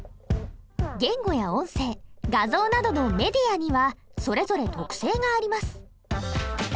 言語や音声画像などのメディアにはそれぞれ特性があります。